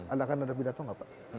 anda akan ada pidato nggak pak